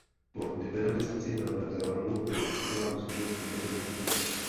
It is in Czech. Po liberalizaci na Novém Zélandu bylo poskytování služeb nevidomým ukončeno.